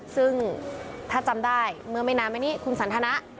ซึ่งถ้าจำได้เมื่อไม่นานมานี้คุณสันทนะ